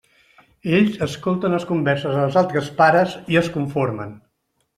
Ells escolten les converses dels altres pares i es conformen.